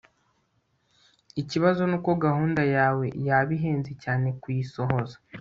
ikibazo nuko gahunda yawe yaba ihenze cyane kuyisohoza